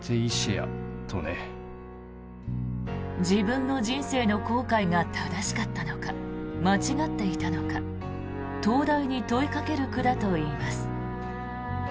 自分の人生の航海が正しかったのか間違っていたのか灯台に問いかける句だといいます。